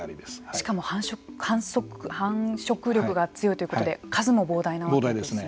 しかも繁殖力が強いということで数も膨大なわけですね。